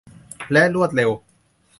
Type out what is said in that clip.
และรวดเร็ว